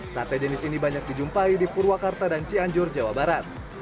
sate jenis ini banyak dijumpai di purwakarta dan cianjur jawa barat